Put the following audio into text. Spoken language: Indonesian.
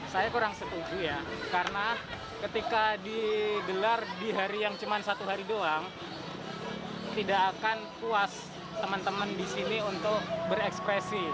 saya kurang setuju ya karena ketika digelar di hari yang cuma satu hari doang tidak akan puas teman teman di sini untuk berekspresi